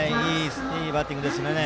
いいバッティングでしたね。